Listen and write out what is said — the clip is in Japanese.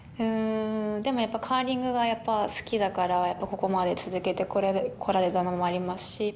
でもやっぱカーリングがやっぱ好きだからここまで続けてこられたのもありますし。